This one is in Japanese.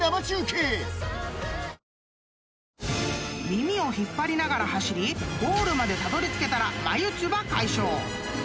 ［耳を引っ張りながら走りゴールまでたどりつけたら眉唾解消！